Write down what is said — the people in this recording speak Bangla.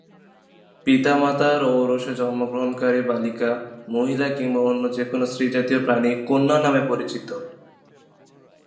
পিতা-মাতার ঔরসে জন্মগ্রহণকারী বালিকা, মহিলা কিংবা অন্য যে-কোন স্ত্রীজাতীয় প্রাণী কন্যা নামে পরিচিত।